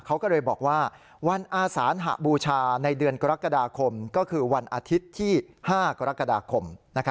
เขาก็เลยบอกว่าวันอาสานหบูชาในเดือนกรกฎาคมก็คือวันอาทิตย์ที่๕กรกฎาคม